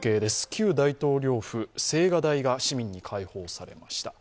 旧大統領府・青瓦台が市民に開放されました。